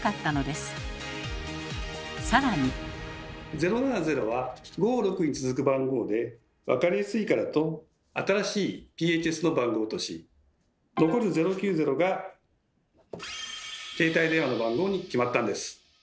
「０７０」は５・６に続く番号で分かりやすいからと新しいＰＨＳの番号とし残る「０９０」が携帯電話の番号に決まったんです。